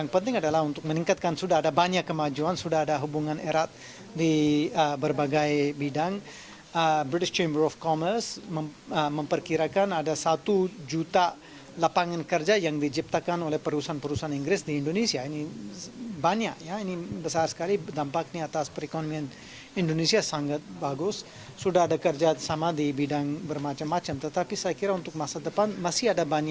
pertahanan dan energi